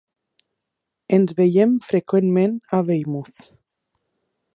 Ens vèiem freqüentment a Weymouth.